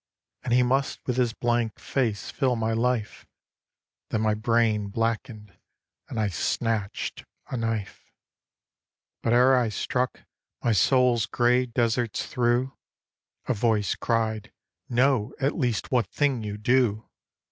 And he must with his blank face fill my life Then my brain blackened; and I snatched a knife. But ere I struck, my soul's grey deserts through A voice cried, 'Know at least what thing you do.'